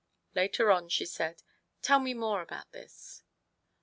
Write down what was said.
Later on she said, " Tell me more about this?"